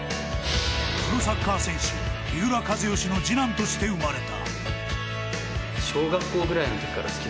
プロサッカー選手三浦知良の次男として生まれた。